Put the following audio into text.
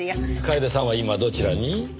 楓さんは今どちらに？